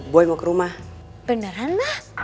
boy mau ke rumah beneran lah